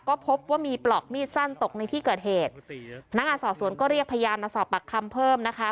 ก็พบว่ามีปลอกมีดสั้นตกในที่เกิดเหตุพนักงานสอบสวนก็เรียกพยานมาสอบปากคำเพิ่มนะคะ